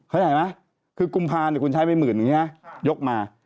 เข้าใจไหมคือกุมภาคุณใช้ไม่๑๐๐๐๐บาทอย่างนี้ยกมา